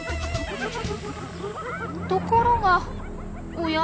ところがおや？